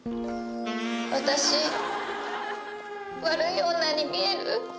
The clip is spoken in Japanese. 私悪い女に見える？